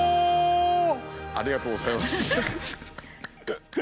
ありがとうございます。